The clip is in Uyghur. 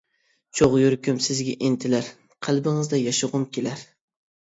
چوغ يۈرىكىم سىزگە ئىنتىلەر، قەلبىڭىزدە ياشىغۇم كېلەر.